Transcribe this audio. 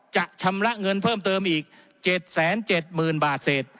ชำระเงินเพิ่มเติมอีก๗๗๐๐๐บาทเศษ